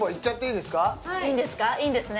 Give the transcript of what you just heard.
いいんですね？